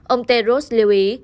ông teros lưu ý